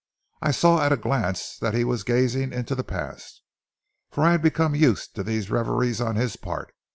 I saw at a glance that he was gazing into the past, for I had become used to these reveries on his part.